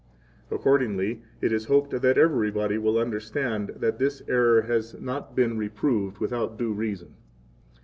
Accordingly it is hoped that everybody will understand that this error has not been reproved without due reason.